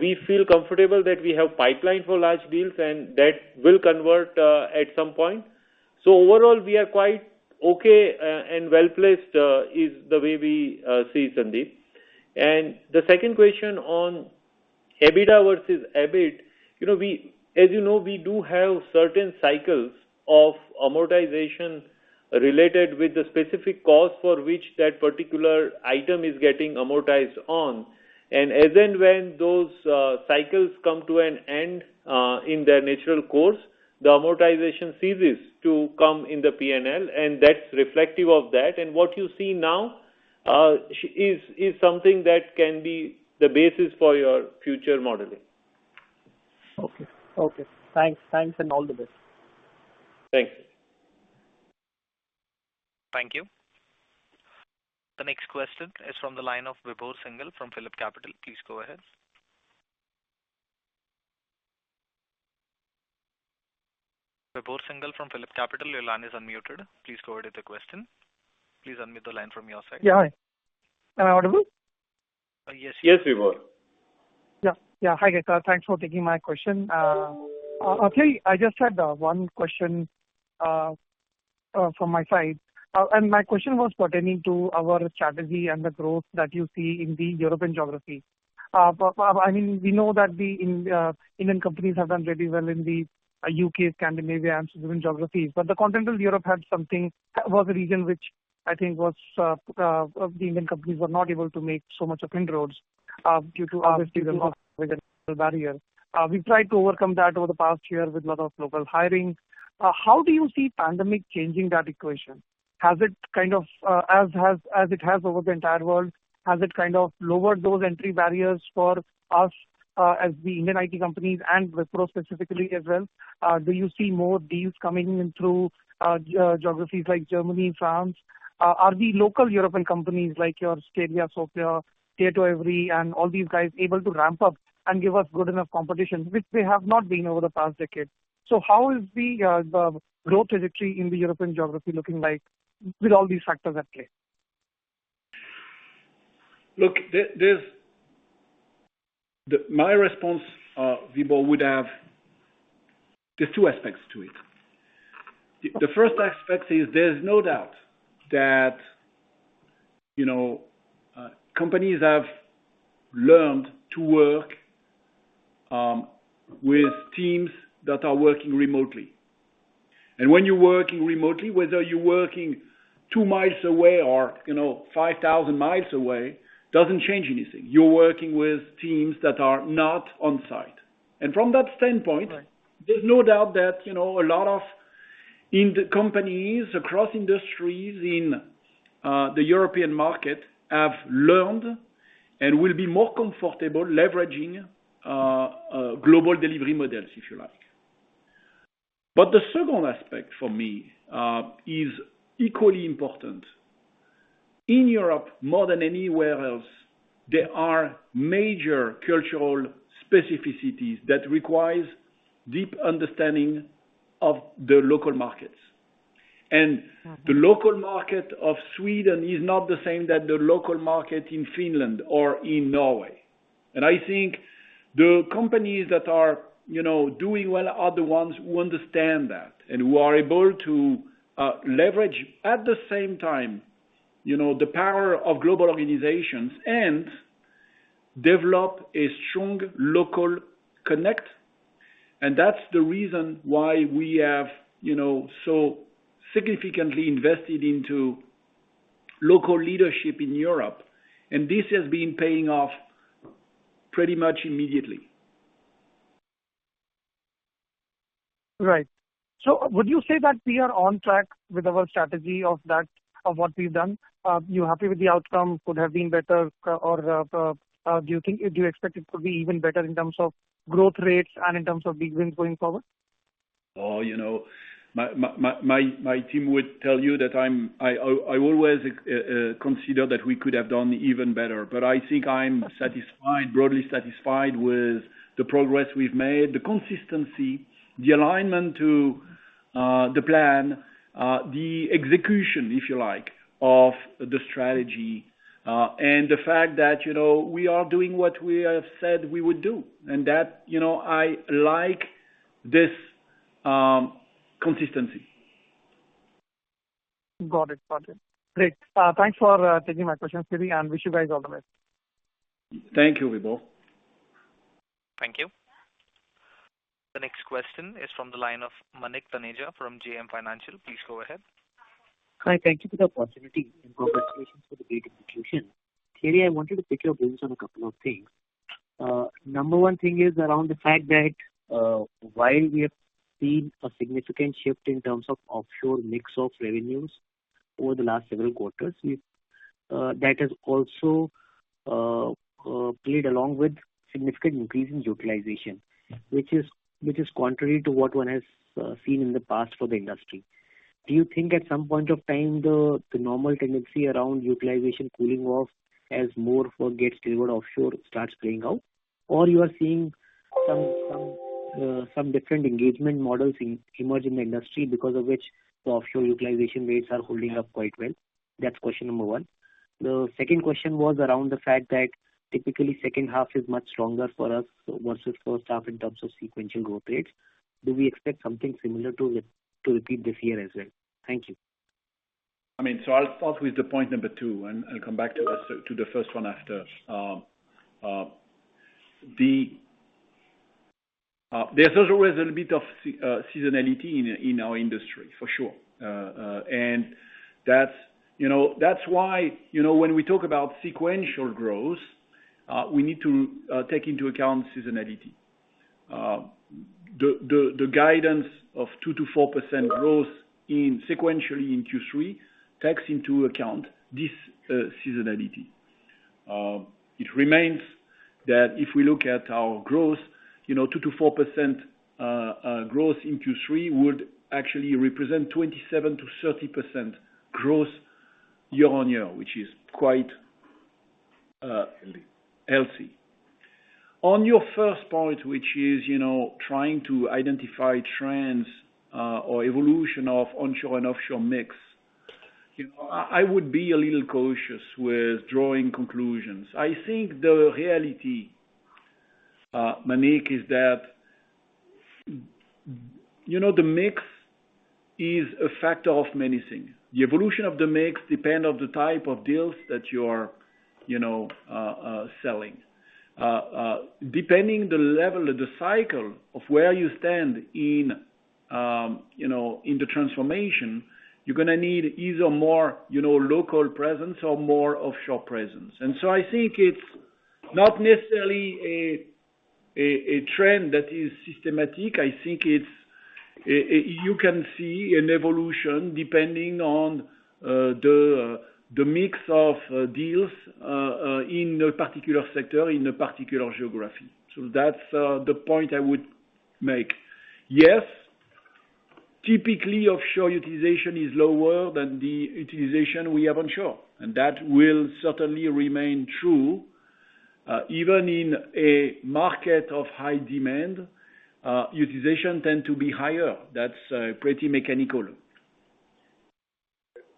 D: We feel comfortable that we have pipeline for large deals, and that will convert at some point. Overall, we are quite okay and well-placed is the way we see, Sandip. The second question on EBITDA versus EBIT. As you know, we do have certain cycles of amortization related with the specific cost for which that particular item is getting amortized on. As and when those cycles come to an end in their natural course, the amortization ceases to come in the P&L, and that's reflective of that. What you see now is something that can be the basis for your future modeling.
L: Okay. Thanks. Thanks and all the best.
D: Thanks.
A: Thank you. The next question is from the line of Vibhor Singhal from PhillipCapital. Please go ahead. Vibhor Singhal from PhillipCapital, your line is unmuted. Please go ahead with the question. Please unmute the line from your side.
M: Yeah. Am I audible?
A: Yes.
D: Yes, Vibhor.
M: Yeah. Yeah. Hi, guys. Thanks for taking my question. Actually, I just had one question from my side. My question was pertaining to our strategy and the growth that you see in the European geography. We know that the Indian companies have done very well in the U.K., Scandinavia and Switzerland geographies. The continental Europe was a region which I think the Indian companies were not able to make so much of inroads due to obviously the barrier. We've tried to overcome that over the past year with lot of local hiring. How do you see pandemic changing that equation? As it has over the entire world, has it kind of lowered those entry barriers for us as the Indian IT companies and Wipro specifically as well? Do you see more deals coming in through geographies like Germany and France? Are the local European companies like your Scalian, Sopra, STMicroelectronics, and all these guys able to ramp up and give us good enough competition, which they have not been over the past decade? How is the growth trajectory in the European geography looking like with all these factors at play?
C: Look, my response, Vibhor, would have two aspects to it. The first aspect is there's no doubt that companies have learned to work with teams that are working remotely. When you're working remotely, whether you're working two miles away or 5,000 miles away, doesn't change anything. You're working with teams that are not on-site.
M: Right
C: There's no doubt that a lot of companies across industries in the European market have learned and will be more comfortable leveraging global delivery models, if you like. The second aspect for me is equally important. In Europe, more than anywhere else, there are major cultural specificities that requires deep understanding of the local markets. The local market of Sweden is not the same that the local market in Finland or in Norway. I think the companies that are doing well are the ones who understand that, and who are able to leverage at the same time, the power of global organizations and develop a strong local connect. That's the reason why we have so significantly invested into local leadership in Europe, and this has been paying off pretty much immediately.
M: Right. Would you say that we are on track with our strategy of what we've done? Are you happy with the outcome? Could have been better? Do you expect it could be even better in terms of growth rates and in terms of big wins going forward?
C: Oh, my team would tell you that I always consider that we could have done even better, but I think I'm broadly satisfied with the progress we've made, the consistency, the alignment to the plan, the execution, if you like, of the strategy. The fact that we are doing what we have said we would do. That I like this consistency.
M: Got it. Great. Thanks for taking my questions, Thierry, and wish you guys all the best.
C: Thank you, Vibhor.
A: Thank you. The next question is from the line of Manik Taneja from JM Financial. Please go ahead.
N: Hi. Thank you for the opportunity and congratulations for the great execution. Thierry, I wanted to pick your brains on a couple of things. Number one thing is around the fact that, while we have seen a significant shift in terms of offshore mix of revenues over the last several quarters, that has also played along with significant increase in utilization. Which is contrary to what one has seen in the past for the industry. Do you think at some point of time, the normal tendency around utilization cooling off as more work gets delivered offshore starts playing out? Or you are seeing some different engagement models emerging in the industry because of which the offshore utilization rates are holding up quite well? That's question number one. The second question was around the fact that typically second half is much stronger for us versus first half in terms of sequential growth rates. Do we expect something similar to repeat this year as well? Thank you.
C: I'll start with the point two, and I'll come back to the first one after. There's always a little bit of seasonality in our industry, for sure. That's why when we talk about sequential growth, we need to take into account seasonality. The guidance of 2%-4% growth sequentially in Q3 takes into account this seasonality. It remains that if we look at our growth, 2%-4% growth in Q3 would actually represent 27%-30% growth year-on-year, which is quite healthy. On your first point, which is trying to identify trends or evolution of onshore and offshore mix. I would be a little cautious with drawing conclusions. I think the reality, Manik, is that the mix is a factor of many things. The evolution of the mix depend of the type of deals that you're selling. Depending the level of the cycle of where you stand in the transformation, you're going to need either more local presence or more offshore presence. I think it's not necessarily a trend that is systematic. I think you can see an evolution depending on the mix of deals in a particular sector, in a particular geography. That's the point I would make. Typically, offshore utilization is lower than the utilization we have onshore, and that will certainly remain true. Even in a market of high demand, utilization tends to be higher. That's pretty mechanical.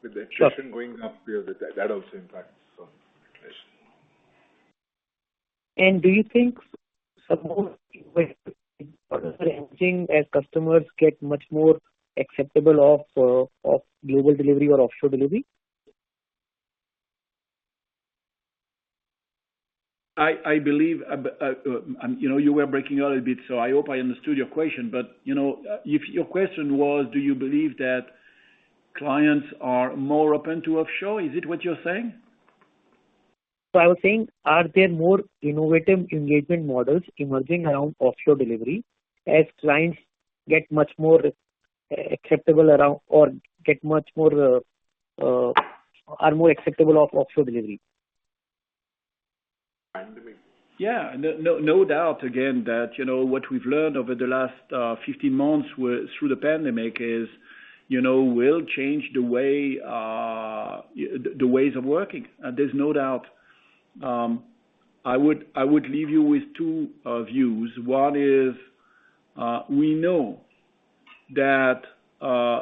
H: With attrition going up, that also impacts on utilization.
N: Do you think as customers get much more accepting of global delivery or offshore delivery?
C: You were breaking out a bit. I hope I understood your question. If your question was, do you believe that clients are more open to offshore? Is it what you're saying?
N: I was saying, are there more innovative engagement models emerging around offshore delivery as clients get much more acceptable of offshore delivery?
C: Yeah. No doubt, again, that what we've learned over the last 15 months through the pandemic will change the ways of working. There's no doubt. I would leave you with two views. One is, we know that a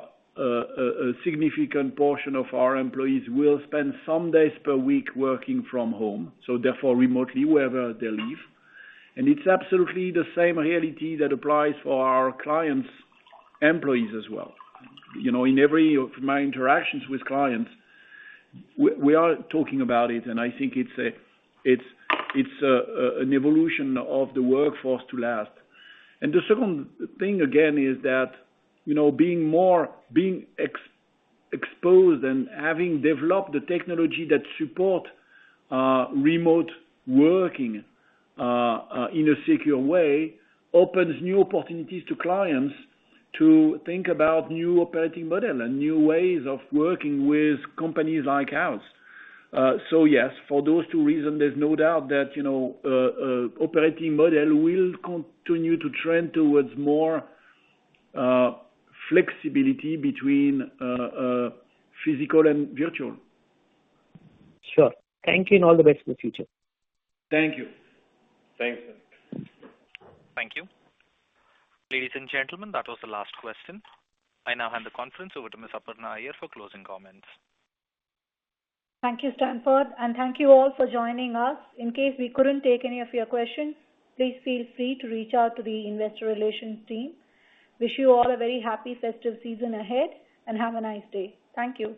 C: significant portion of our employees will spend some days per week working from home, so therefore remotely, wherever they live. It's absolutely the same reality that applies for our clients' employees as well. In every of my interactions with clients, we are talking about it, and I think it's an evolution of the workforce to last. The second thing, again, is that being more exposed and having developed the technology that support remote working in a secure way, opens new opportunities to clients to think about new operating model and new ways of working with companies like ours. Yes, for those two reasons, there's no doubt that operating model will continue to trend towards more flexibility between physical and virtual.
N: Sure. Thank you, and all the best in the future.
C: Thank you.
H: Thanks.
A: Thank you. Ladies and gentlemen, that was the last question. I now hand the conference over to Ms. Aparna Iyer for closing comments.
B: Thank you, Stanford. Thank you all for joining us. In case we couldn't take any of your questions, please feel free to reach out to the investor relations team. Wish you all a very happy festive season ahead, and have a nice day. Thank you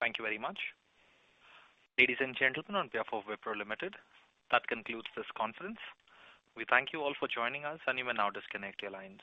A: Thank you very much. Ladies and gentlemen, on behalf of Wipro Limited, that concludes this conference. We thank you all for joining us, and you may now disconnect your lines.